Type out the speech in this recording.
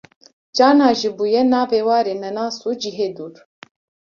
carna jî bûye navê warê nenas û cihê dûr